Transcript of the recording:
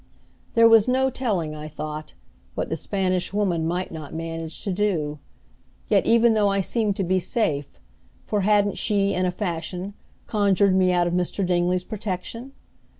There was no telling, I thought, what the Spanish Woman might not manage to do. Yes, even though I seemed to be safe; for hadn't she, in a fashion, conjured me out of Mr. Dingley's protection?